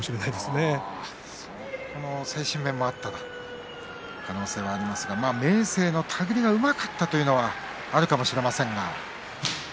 そういう精神面がある可能性はありますが明生の手繰りがよかったというのはあるかもしれませんか。